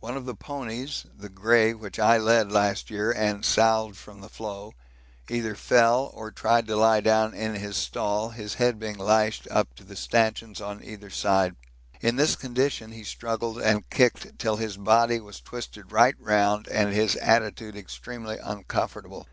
One of the ponies (the grey which I led last year and salved from the floe) either fell or tried to lie down in his stall, his head being lashed up to the stanchions on either side. In this condition he struggled and kicked till his body was twisted right round and his attitude extremely uncomfortable.